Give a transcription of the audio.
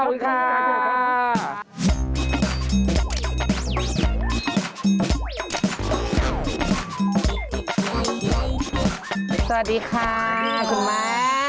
สวัสดีค่ะคุณแม่